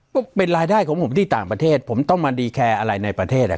ปุ๊บเป็นรายได้ของผมที่ต่างประเทศผมต้องมาอะไรในประเทศอ่ะ